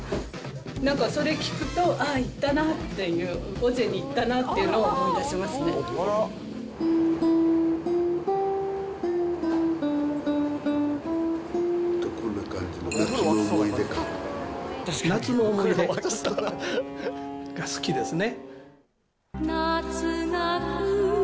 なんかそれ聴くと、ああ、行ったなっていう、尾瀬に行ったなと、こんな感じの、夏の思い出が好きですね。